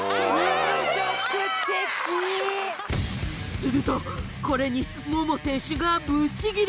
するとこれに桃選手がブチギレ！